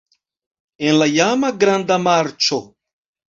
En la iama Granda Marĉo.